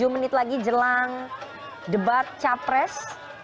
tujuh menit lagi jelang debat capres